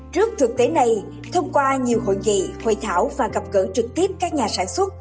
trước thực tế này thông qua nhiều hội nghị hội thảo và gặp gỡ trực tiếp các nhà sản xuất